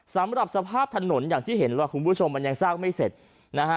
สำหรับสภาพถนนอย่างที่เห็นว่าคุณผู้ชมมันยังสร้างไม่เสร็จนะฮะ